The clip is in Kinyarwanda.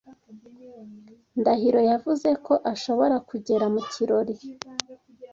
Ndahiro yavuze ko ashobora kugera mu kirori.